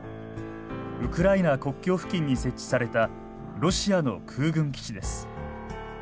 ウクライナ国境付近に設置されたロシアの空軍基地です。